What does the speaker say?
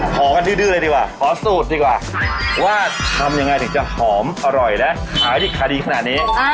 ขอกันดื้อเลยดีกว่าขอสูตรดีกว่าว่าทำยังไงถึงจะหอมอร่อยและขายดิบขายดีขนาดนี้